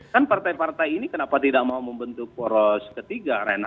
kan partai partai ini kenapa tidak mau membentuk poros ketiga renat